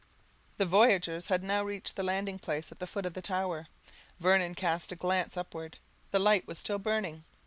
'" The voyagers had now reached the landing place at the foot of the tower. Vernon cast a glance upward, the light was still burning.